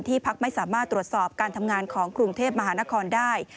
พักไม่สามารถตรวจสอบการทำงานของกรุงเทพมหานครได้